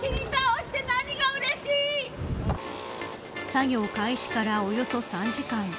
作業開始からおよそ３時間。